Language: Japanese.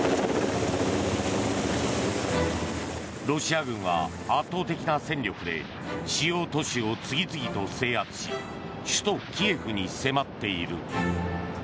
ロシア軍は圧倒的な戦力で主要都市を次々と制圧し首都キエフに迫っている。